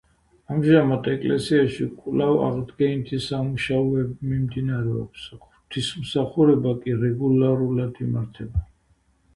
ამჟამად ეკლესიაში კვლავ აღდგენითი სამუშაოები მიმდინარეობს, ღვთისმსახურება კი რეგულარულად იმართება.